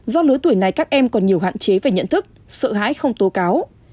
do lứa tuổi này các em còn nhiều hạn chế về nhận thức sợ hãi không tố cáo